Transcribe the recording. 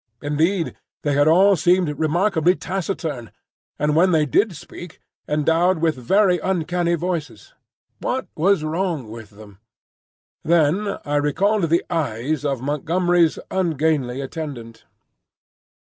Indeed, they had all seemed remarkably taciturn, and when they did speak, endowed with very uncanny voices. What was wrong with them? Then I recalled the eyes of Montgomery's ungainly attendant.